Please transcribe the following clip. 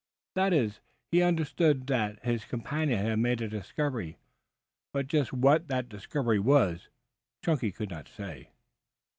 That is, he understood that his companion had made a discovery, but just what that discovery was, Chunky could not say.